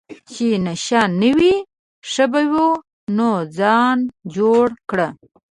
چې نشه نه وای ښه به وو، نو ځان جوړ کړه.